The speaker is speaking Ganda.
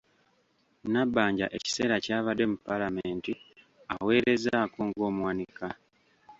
Nabbanja ekiseera ky’abadde mu Paalamenti aweerezzaako ng’omuwanika.